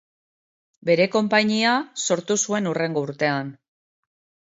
Bere konpainia sortu zuen hurrengo urtean.